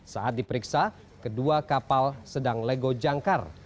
saat diperiksa kedua kapal sedang lego jangkar